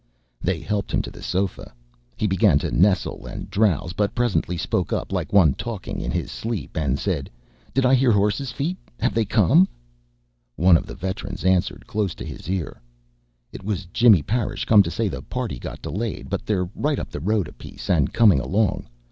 They helped him to the sofa. He began to nestle and drowse, but presently spoke like one talking in his sleep, and said: "Did I hear horses' feet? Have they come?" One of the veterans answered, close to his ear: "It was Jimmy Parish come to say the party got delayed, but they're right up the road a piece, and coming along.